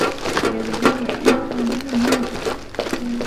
viazi lishe ni muhimu kwa afya ya kukua kwa mifupa